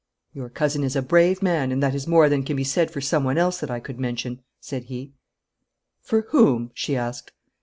'Your cousin is a brave man, and that is more than can be said for someone else that I could mention,' said he. 'For whom?' she asked.